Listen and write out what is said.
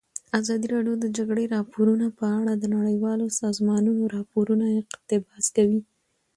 ازادي راډیو د د جګړې راپورونه په اړه د نړیوالو سازمانونو راپورونه اقتباس کړي.